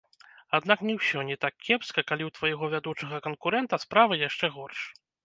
Аднак не ўсё не так кепска, калі ў твайго вядучага канкурэнта справы яшчэ горш.